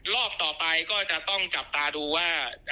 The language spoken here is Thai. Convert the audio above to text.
รอบต่อไปก็จะต้องจับตาดูว่า